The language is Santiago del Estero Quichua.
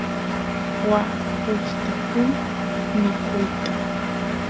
waa gustapun mikuyta